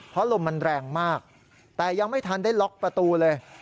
เพราะลมมันแรงมากแต่ยังไม่ทันได้ล็อกประตูเลย